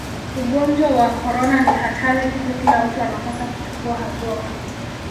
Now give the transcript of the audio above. ugonjwa wa korona ni hatari hivyo kila mtu anapasa kuchukua hatua